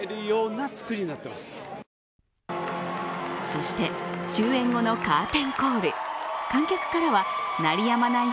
そして、終演後のカーテンコール観客からは鳴りやまない